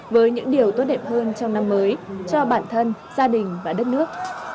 với những điều tốt đẹp hơn trong năm mới cho bản thân gia đình và đất nước